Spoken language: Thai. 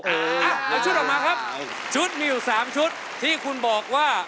แล้วชุดออกมาครับชุดมีอยู่๓ชุดที่คุณบอกว่า